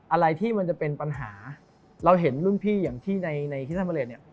อะไรที่มันจะเป็นปัญหาเราเห็นรุ่นพี่อย่างที่ในคริสัมมาเลสเนี่ย